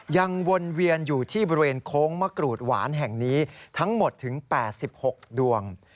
วนเวียนอยู่ที่บริเวณโค้งมะกรูดหวานแห่งนี้ทั้งหมดถึง๘๖ดวง